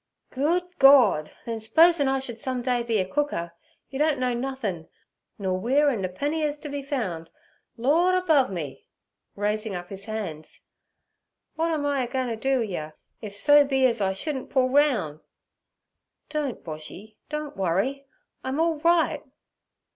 'Good Gord! then s'posin' I should some day be a cooker, yer don't know nothin', nor weer an napenny is to be foun'. Lord above me!' raising up his hands, 'w'at em I a goin' t' do wi' yer, if so be as I shouldn' pull roun'?' 'Don't, Boshy, don't worry; I'm all right.'